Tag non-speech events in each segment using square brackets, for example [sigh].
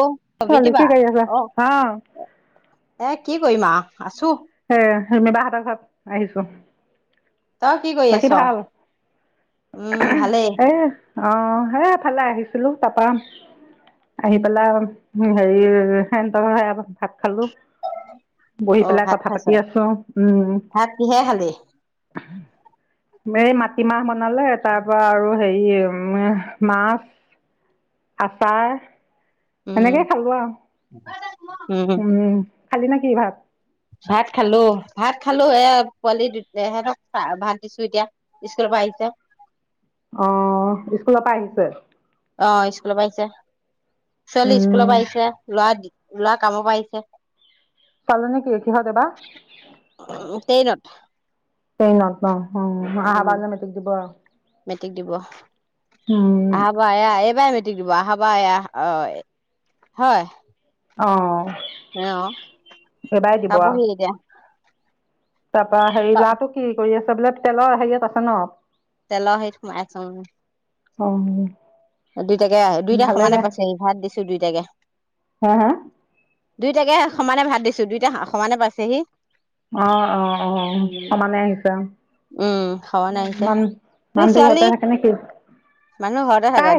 অ ছোৱালী বিওতি কি বা কৰি আছা? অ এ কি কি কৰিম আও, আছো এ সেমিবা হেতৰ ঘত আহিছো তই কি কৰি বাকী আচ? ভাল? উম ভালেই এ অ সে এফালে আহিছিলো, তাপা আহি পেলাই হেৰি সেহত সে ভাত খালো বহি অ পেলাই ভাত কথা খাইছ পাতি আছো উম ভাত কিহে খালি এই মাটিমাহ বনালে তাৰ পৰা আৰু হেৰি উম মাছ, আচাৰ উম সেনেকেই খালো আও, উম খালি নে কি ভাত ভাত খালো, ভাত খালো এ পোৱালি সিহঁতক ভাত দিছো এতিয়া স্কুলৰ পৰা আহিছে। অ স্কুলৰ পৰা আহিছে অ স্কুলৰ পৰা আহিছে ছোৱালী স্কুল উম। পৰা আহিছে। লোৱা দি লৰা কাম পৰা আহিছে চালু নেকি কিহত এবা? উ ট্ৰেইনত ট্ৰেইনত অ উম আহাবাৰ মেট্ৰিক দিব মেট্ৰিক দিব উম এয়া এইবাৰ অহা বাৰ মেট্ৰিক দিব হবা এয়া অ হয় অ অ এইবাৰ পাবহি এতিয়া তাৰ পৰা হেৰি ল'ৰাটোকি কৰি আছে টেবুল তলত তেলৰ হেৰিয়ত আছে ন তেল সেইতই সোমাই আছো অ দুইটাকে দুইটা ভালে সমানে দে পাইছে ভাত দিছো দুইটাকে হা হা দুইটাকে সমানে ভাত দিছো দুইটা সমানে পাইছেহ সি অ অ অ। সমানে আহিছে অ। উম সমানে আহিছে মান তোৰ মানুহটো ঘৰতে ছোৱালী থাকে নেকি? মানুহ তাই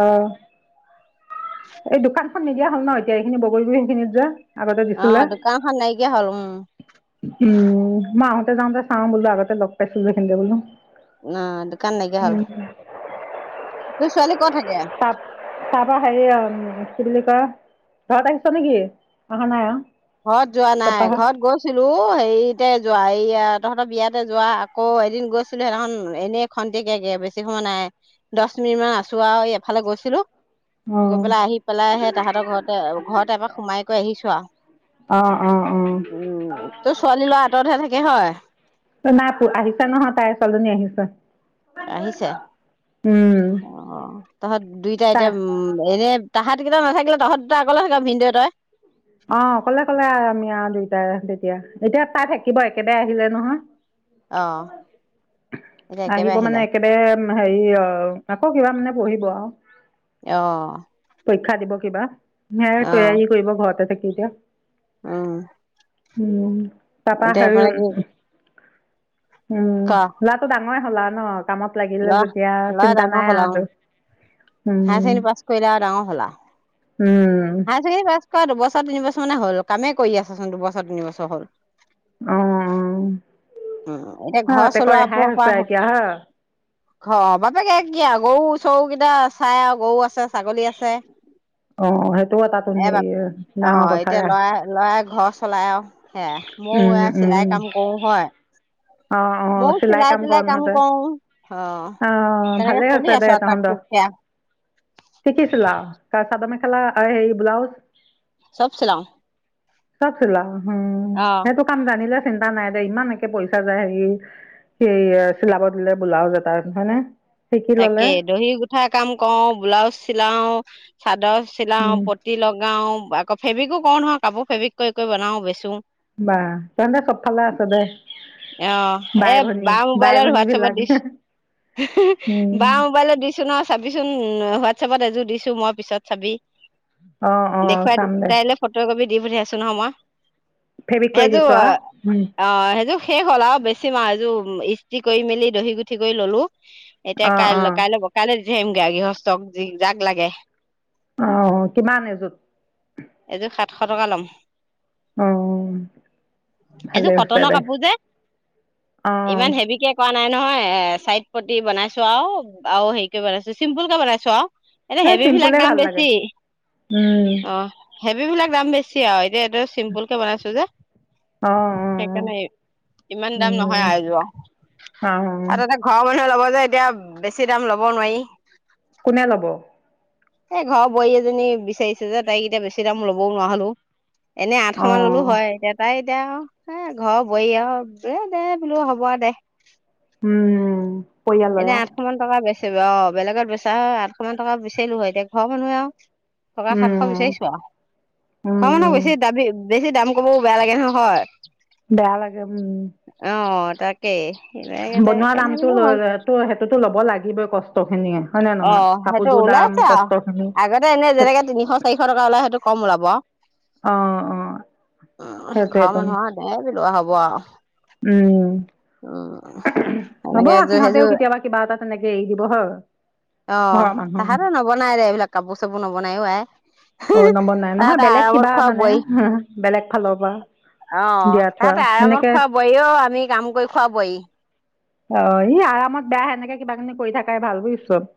অ এই দোকান নিদিয় হ'ল ন এতিয়া এইখিনি বগৰী গুৰি খিনিত যোৱা আগতে অ দিছিলে। দোকানখন নাইকিয়া হ'ল উম উম মাহত যাওঁতে চাওঁ বোলো আগতে লগ পাইছো [unintelligible] ন। অ দোকান নাইকিয়া হল। তোৰ ছোৱালীক তা তাৰপৰা হেৰি আৰু কি বুলি ঘৰত আহিছ নেকি? অহা নাই অ'। ঘৰত যোৱা নাই ঘৰত গৈছিলো হেৰিত তে যোৱা এইয়া তহঁতৰ বিয়াতে যোৱা আকৌ এদিন গৈছিলো সিদিনাখন এনেই খন্তেকীয়াকে, বেছি সময় নাই। দছ মিনিট মান আছো আৰু এফালে গৈছিলো। গৈ অ। পেলাই আহি পেলাই হে তাহাঁতৰ ঘৰতে ঘৰত এপাক সোমাই কৰি আহিছো আৰু। অ অ অ উম। তো ছোৱালী [unintelligible] থাকে হয় নাই। আহিছা নহয়। তাই ছোৱালীজনী আহিছে। তাত গৈছ? আহিছে অ। তহত দুইটা তাই এতিয়া উম এনে তাহত কেইটা নাথাকিলে তহত দুটা অকলে থাক ভিনদয়ে তই? অ। কলে কলে আমি আৰু আমি আৰু দুইটাই তেতিয়া। এতিয়া তাই থাকিব একেবাৰে আহিলে নহয়। অ', এতিয়া একেবাৰে আহিব মানে আহিলে একেবাৰে হেৰি অ আকৌ কিবা মানে পঢ়িব। অ অ'। পৰীক্ষা দিব কিবা। হে তৈয়াৰী কৰিব ঘৰত। [unintelligible] অ'। উম। তাৰ পা এতিয়া মানে কি উম ক লাটো ডাঙৰ [unintelligible] কামত লাগিলে ল'ৰা যেতিয়া ল'ৰা চিন্তা ডাঙৰ নাই হ'ল আৰু তোৰ। Higher um. ছেকেণ্ডেৰী পাছ কৰিলে আৰু ডাঙৰ হ'ল আৰু উম। হায়াৰ ছেকেণ্ডেৰী পাছ কৰা বছৰ তিনি বছৰ মানে হ'ল কামেই কৰি আছচোন দুবছৰ তিনবছৰ হ'ল। অ' তাৰ উম, এতিয়া ঘৰ বাপেকৰ এতিয়া ৰেহাই হৈছে এতিয়া হয় ঘ বাপেকে কি আৰু গৰু চৰু কেইটা চাই আৰু গৰু আছে ছাগলী আছে। অ সেইটো এটাতোন এব হেৰি অ' ডাঙৰ এতিয়া কথাৰে লৰাই লৰাই ঘৰ চলাই আৰু। সেয়া ময়ো উম এয়া উম চিলাই কাম কৰো হয়। অ অ মোৰ চিলাই কৰ তিলাই কাম নহতে কৰো। অ ' তেনেকে ভালেই চলি হৈছে দে আছো আৰু তাক তহতৰ টুককে আৰু শিকিছিলা আও চাদৰ মেখেলা আৰু সেই ব্লাউজ চব চিলাও চব চিলাঅ ' উম অ সেই তো কাম জানিলে চিন্তা নাই দে ইমান একে পইচা পইচা যায় হেৰি স চিলাব দিলে ব্লাউজ এটা হয়নে? শিকি ললে তাকে দহি গুঠা কাম কৰো ব্লাউজ চিলাও। চাদৰ চিলাও উম প্ৰতি লগাও লগাও আকৌ ফেব্ৰিকো কৰোঁ নহয় কাপোৰ ফেব্ৰিক কৰি কৰি বনাওঁ বেচো বাাহ তই চবফালে আছ দে অ' এ বাই ভনী বা বাই মোবাইলত ভনী হোৱাটছপত বিলাক দিছো উম বা মোবাইলত দিছো নহয় চাবিচোন হোৱাটছএপত এযোৰ দিছো মই পিছত চাবি অ অ দেখুৱাই চাম দে তাইলে ফটো একপিত দি পঠিয়াইছোঁ নহয় মই ফেব্ৰিক কৰি সেইযোৰ দিছ অ' সেইযোৰ শেষ হ'ল আৰু বেছি মাহ এইযোৰ ইস্তি কৰি মেলি দহি গুঠি কৰি ললো। এতিয়া অ অ অ কাই কাইলৈ, কাইলৈ দি আহিম গড়গীহস্তক জিক যাক লাগে। অ' কিমান এইযোৰত? আঠশ টকা ল'ম অ' ভালে এইযোৰ হৈছে কটনৰ দে কাপোৰ যে অ ইমান হেভিকে কৰা নাই নাই নহয় এ চাইট পটি বনাইছো আৰু আৰু হেৰিক বনাইছো চিম্পুল কে বনাইছো আৰু এনে হেই হেভি চিম্পুল বিলাক দাম ভাল লাগে বেছি উম। হেভী বিলাক দাম বেছি আৰু এ এইটো চিম্পুল কে বনাইছো যে অ অ সেইকাৰণে ইমান দাম নহয় উম আহ যোৱা অ আৰু তাতে ঘৰৰ মানুহে ল'ব এতিয়া বেছি দাম ল'ব নোৱাৰি। কোনে ল'ব এই ঘৰৰ বোৱাৰী এজনী বিচাৰিছে যে তাইক এতিয়া বেছি দাম লবও নোৱাহলো। এনে অ আঠশ মান ললো হয় এতিয়া তাই দে আৰু এ ঘৰ বুৱাই আৰু এ দে বোলো হ'ব দে উম। পৰিয়ালয় এতিয়া আৰু আঠশ মান টকা বেছি অ' বেলেগত বেচা হয় আঠশ মান টকা বিুচাৰিলো হয় এতিয়া ঘৰৰ মানুহে আও টকা সাতশ উম বিচাৰিছো আও উম ঘৰনো উম বেছি দাবি বেছি দাম কবও বেয়া লাগে নহয়। বেয়া লাগে উম। তাকে [unintelligible] হেইকাৰণে বুলো হওঁক। টো হেইটোতো ল'ব লাগিবই কষ্ট খিনিয়ে হয় নে নহয় অ' সেইটো কাপোৰযোৰ দাম ওলাইছে আও কষ্ট খিনি আগতে এনে যেনেকে তিনিশ চাৰিশ টকা ওলাই সেইটো কম ওলাব। ৱা অ', অ' সেইটোৱে তোন। ৱাহ উম। হ'ব এনেকে এযোৰ সিহঁতেও সেইযোৰ কেতিয়াবা কিবা এটা তেনেকে এৰি দিব হয়। ঘৰৰ অ' মানুহ তাহাতৰ নবনাই ৰে এইবিলাক কাপোৰ চাপোৰ নব বনাইও আই অ' নবনাই নহয় তাত বেলেগ আৰামত কিবা খোৱা মানে বোৱাৰী। বেলেগ ফালৰ পৰা অ দিয়া থোৱা তাত আৰামত সেনেকে খোৱা বোৱাৰী অ আমি কাম কৰি খুৱাবই অ ই আৰামত বেয়া সেনেকে কিবা কিনি কৰি থাকাই ভাল বুজিছব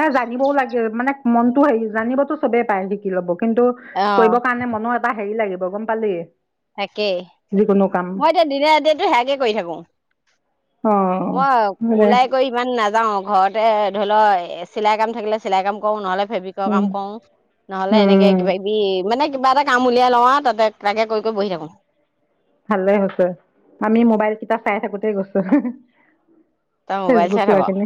হে জানিবও লাগে মানে মনতটো হেৰি জানিবতো চবেই পায় শিকি ল'ব কিন্তু অ কৰিবৰ কাৰণে মনো এটা হেৰি লাগিব বগম পালি তাকেই যিকোনো কাম মই এতিয়া দিনে ৰাতিটো সেযাকে কৰি থাকোঙ অ মই দে ওলাই গৈ ইমান নাযাওঁ ঘৰতে ধৰি লও চিলাই কাম থাকিলে চিলাই কাম কৰো নহ'লে ফেব্ৰিকৰ কাম উম কৰো নহলে এনেকে উম কিবা কিবি মানে কিবা এটা কাম উলিয়াই লওঁ আৰু তাতে তাকে কৰি গৈ বহি থাকো। ভালে হৈছে আমি মোবাইল কিতা চাই থাকোতে গৈছো। তই মোবাইল ফেচবুক চাই থাক। কিবা কিনি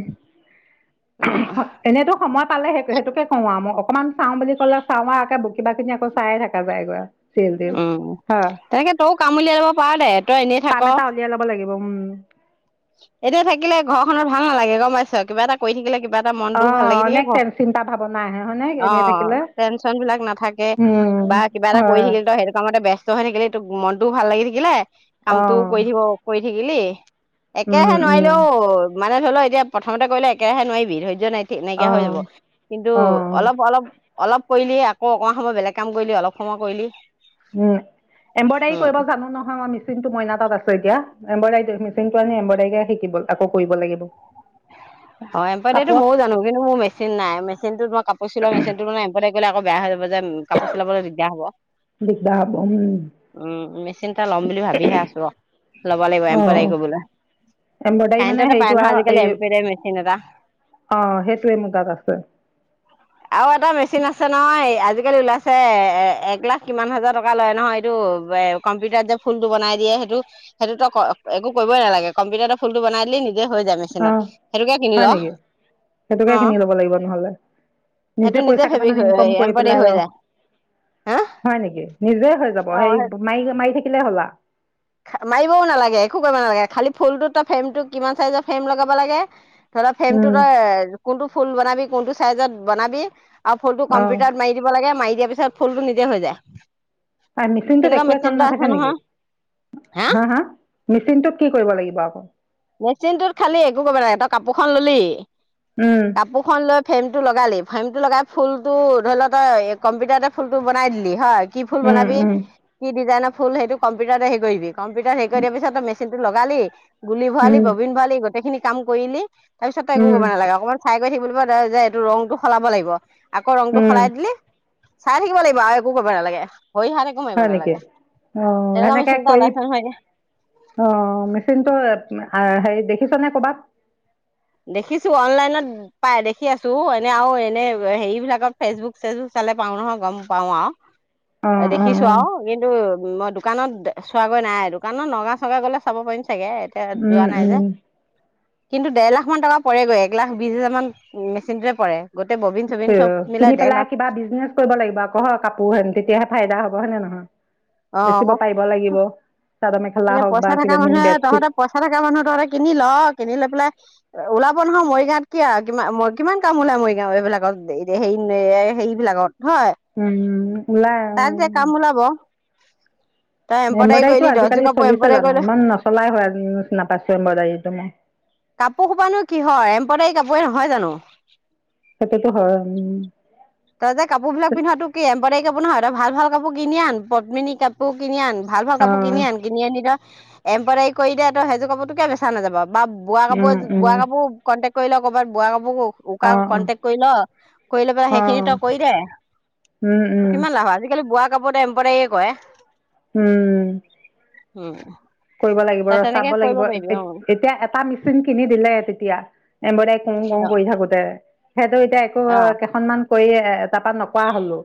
উম এনেতো সময়ত পালে সেই সেইটোকে কওঁ আৰু মই অকণমান চাওঁ বুলি ক'লে চাওঁ আৰু আকে কিবা খিনি আকৌ চায়ে থাককা যায়গৈ। চিৰিয়েল তিৰিয়েল উম হয় তেনেকে তই কাম উলিয়াই লব পাৰ দে তই এনেই থাক এ [inaudible] এতিয়া থাকিলে ঘৰ খনৰ ভাল নালাগে গম পাইছ কিবা এটা কৰি থাকিলে কিবা এটা অ মনতটোও ভাল লাগি থাকে অনেক ঘ চিন্তা ভাৱনা আহে হয়নে এনেই থাকিলে অ' টেনচন বিলাক নাথাকে উম বা কিবা এটা কৰি হয় থাকিল তো সেইটো কামতে ব্যস্ত ব্যস্ত হৈ থাকিলে এই তোক মনটো ভাল লাগি থাকিলে অ কামটো কৰি থাকিব কৰি থাকিব দিলি একেৰাহে উম উম নোৱাৰিলেও মানে ধৰি লও এতিয়া প্ৰথমতে কৰিলেেৰাে নোৱাৰি ধৈৰ্য্য নাই অ এনেকিয়া হৈ যাব কিন্তু অ অলপ অলপ অলপ কৰিলি আকৌ অকণ সময় বেলেগ কাম কৰিলি অলপ সময় কৰিলি। উম এম্ব্ৰইডাৰী উম কৰিব জানো নহয় মই মিচিনতটো মইনা তাত আছো এতিয়া এম্ব্ৰইডাৰী মেচিনটো আনি এম্ব্ৰইডাৰী শিকিব আকৌ কৰিব লাগিব হয় এমব্ৰদাৰি তো কাপোৰত ময়ো জানো কিন্তু মোৰ মেচিন নাই মেচিন তো মই কাপোৰ চিলোৱা মেচিন তো মানে এম্পদাৰী আকৌ বেয়া হৈ যাব কাপোৰ চিলাবলৈ দিগদাৰ হব দিগদাৰ হ'ব উম উম মেচিনটা লম বুলি ভাবিহে আছো ল'ব লাগিব অ এম্প্ৰইডাৰী কৰিবলৈ এম্ব্ৰইডাৰী মানে কাৰেণ্টতে পাই হেৰিটো নহয় আৰু আজিকালি এই এম্প্ৰইডাৰী মেচিন এটা অ সেইটোৱে মুগাত আছে। আৰু এটা মেচিন আছে নহয় আজিকালি উলাছে এ এক লাখ কিমান হাজাৰ টকা লয় নহয় এইটো এ কম্পিউটাৰত যে ফুলতটো বনাই দিয়ে সেইটো সেইটোতো একো কৰিবই নালাগে কম্পিউটাৰতে ফুলটো বনাই দিলে নিজে হৈ যায় মেচিনত অহ সেইটোকে কিনি ল হয় নেকি? সেইটোকে অ কিনি ল'ব লাগিব নহলে। সেইটো নিজে পইচা ফেব্ৰিক কেইটামান হৈ ইনকম কৰি এম্ব্ৰইডাৰী পেলাই হৈ আৰু যায় হা হয় নেকি। নিজে হৈ যাব অ হেৰি মাৰি মাৰি থাকিব হ'লা মাৰিবও নালাগে একো কৰিব নালাগে খালি ফুলটোত ফ্ৰেমটো কিমান চাইজৰ ফ্ৰেম লগাব লাগে ধৰা ফ্ৰেমটো উম তই কোনটো ফুল বনাবি। কোনটো চাইজত বনাবি। আৰু ফোনটো অ কম্পিউটাৰ মাৰি দিব লাগে মাৰি দিয়া পিছত পিছত ফুল টো নিজে হৈ যায়। আই মিচিনটোত তেনেকুৱা একোৱে মেচিন কাম এটা আছে নাথাকে নেকি? নহয় হা হা মিচিনটোত কি কৰিব লাগিব? পাব। মেচিনটোত খালি একো কৰিব নাগে তই কাপোৰখন ললি উম কাপোৰ খন লৈ ফ্ৰেম টো লগালি ফ্ৰেমটো লগাই ফুলটো ধৰি লও তই কম্পিউটাৰতে ফুলটো বনাই দিলি হয়। কি ফুল উম বনাবি, উম কি ডিজাইনৰ ফুল সেইটো কম্পিউটাৰতে হেৰি কৰিবি কম্পিউটাৰত হেৰি কৰি দিয়াৰ পিছত তোৰ মেচিন লগালি গুলি ভৰালি, উম ববিন ভৰালি গোটেইখিনি কাম কৰিলি। তাৰপিছত তই একো উম কৰিব নালাগে অকমান চাই যে - যে এইটো ৰংটো সলাব লাগিব। আকৌ ৰংটো উম সলাই দিলি চাই থাকিব লাগিব আৰু একো কৰিব নালাগে। ভৰি হাত একো মাৰিব হয় নেকি? নালাগে অ'। তেনেকুৱা সেনেকে মেচিন এটা কৰি ওলাইছে নহয় অ মেচিনটো হেৰি দেখিছনেে কবাত? দেখিছো অনলাইনত পাই দেখি আছো এনে আৰু এনে হেৰি বিলাকত ফেচবুক - চেচবুক চালে পাওঁ নহয় গম পাঁও আৰু। অ অ দেখিছো অ আৰু কিন্তু মই দোকানত চোৱাগৈ নাই। দোকানত নগাঁও - চগাওঁ গ'লে চাব পাৰিম। চাগে এতিয়া উম যোৱা নাই যে। উম কিন্তু দেৰলাখ মান টকা পৰেগৈ। এক লাখ বিশ হাজাৰ মান মেচিনটোয়ে পৰে। গোটেই ববিন চবিন চব মিলাই কিনি দেৰ পেলাই লাখ কিবা বিজনেচ কৰিব লাগিব আকৌ হয় কাপোৰ হেন তেতিয়াহে ফাইদা হ'ব। হয়েনে নহয়? অ অ'। চাদৰ মেখেলা এতিয়া হওক বা পইচা থাকা কিবা কিনি মানুহে বেডশ্বীট তহঁতে পইচা থাকা মানুহ তহঁতে কিনি ল কিনি লৈ পেলাই ওলাব নহয় মৰিগাঁৱত কি আৰু কিমান - ম -কিমান কাম ওলাই মৰিগাঁও এইবিলাকত হেৰি - হেৰি বিলাকত। উম। ওলাই অ। যে কাম ওলাব তই এম্ব্ৰইডাৰী এম্ব্ৰইডাৰীটো কৰিলি দহযোৰ আজিকালি কাপোৰ চলিছে এম্ব্ৰইডাৰী জানো? কৰিলে ইমান নচলাই হ নাপাইছো এম্ব্ৰইডাৰীটো মই। হয় জানো? সেইটোতো হয় উম। তই যে কাপোৰ বিলাক পিন্ধ তোৰ কি এম্ব্ৰইডাৰী কাপোৰ নহয় তই ভাল ভাল কাপোৰ কিনি আন পদ্মিনী কাপোৰ কিনি আন ভাল ভাল অ কাপোৰ কিনি আন কিনি আনি তই এম্ব্ৰইডাৰ কৰি দে তোৰ সেইযোৰ কাপোৰ তোৰ বেচা নাযাব আকৌ বা বোৱা কাপোৰ উম বোৱা উম কাপোৰ কণ্টেক। কৰিলেও ক'বাত বোৱা উকা অ কন্টেক্ অ কৰি ল কৰিলৈ পেলাই অ সেয়ে তই কৰি দে উম উম তোৰ কিমান লাভ হব আজিকালি বোৱা কাপোৰ টো এমপ্ৰদাৰি য়ে কৰে উম, উম, কৰিব লাগিব তই ৰ চাব তেনেকে কৰিব লাগিব পাৰিবি অ এতিয়া এটা মেচিন কিনি দিলে তেতিয়া এম্ব্ৰইডাৰী কৰো কৰো অ কৰি থাকোতে। সেইটো এতিয়া একো অ কেইখনমান কৰি তাৰাপা নকৰা হলো।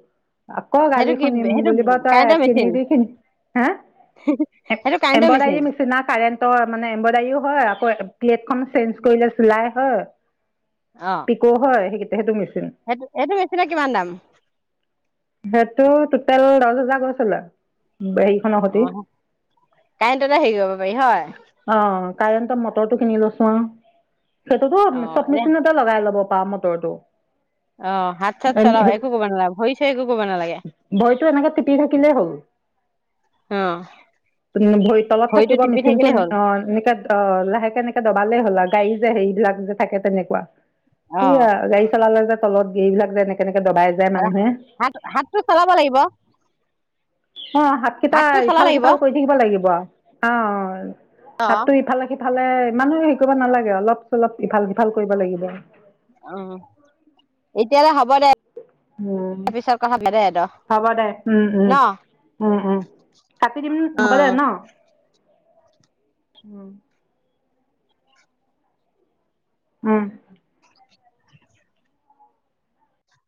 আকৌ গালি সেইটো কি শুনিম সেইটো বুলিব তই কাৰেণ্টৰ মেচিন কিনিবি কিনি হা সেইটো কাৰেণ্টৰ মেচিন এম্ব্ৰইডাৰী নিচিনা কাৰেণ্টৰ মানে এম্ব্ৰইডাৰীও হয় আকৌ প্লেটখন চেঞ্জ কৰিলে চিলাই হয় অ পিকৌ হয় সেই সেইটো মেচিন সেইটো সেইটো মেচিনৰ কিমান দাম? সেইটো টোটেল দহ হোজাৰ গৈ চিলে হেৰী খনৰ সৈতে হেৰী কৰিব পাৰি হয় কাৰেণ্টৰ মটৰটো কিনি লৈছো আও সেইটোতো অ', চব এনে মেচিনতে লগাই ল'ব পাম মটৰটো অহ হাত চাত চলা একো ভৰিতো কব নালাগে ভৰি চৰি একো কব নালাগে এনেকে টিপি থাকিলেই হ'ল ভৰি অ' তলত ভৰিটো থাকিব টিপি মেচিন টো থাকিলেই হ'ল অ 'এনেকে অ লাহেকে এনেকে দবালেই হ'ল আ হেৰী যে হেৰী এইবিলাক যে থাকে তেনেকুৱা অ', গাই চলালে যে তলত গেই এইলাক এনেকে এনেকে দবাই যায় মানুহে হাত হাতটো চলাব লাগিব। অ হাতকেইটা হাতটো চলাব ইফাল লাগিব। সিফাল কৰি থাকিব লাগিব আৰু অ অ'। হাতটো ইফালে সিফালে ইফালে মানুহে হেৰি কৰিব নালাগে অলপ চলপ ইফাল সিফাল কৰিব লাগিব। [unintelligible] [unintelligible] উম পিছত কথা পাতিম দে হ'ব দে উম উম ন? উম উম কাটি দিম হ'ব অ'। দে ন উম উম